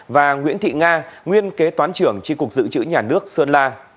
và nguyễn thị nga nguyên kế toán trưởng tri cục dự trữ nhà nước sơn la